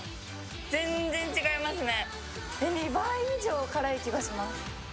全然違いますね。